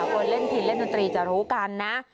คนเล่นถิ่นเล่นดนตรีจะรู้กันนะ